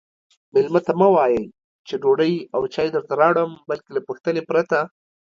میلمه ته مه وایئ چې ډوډۍ او چای درته راوړم بلکې له پوښتنې پرته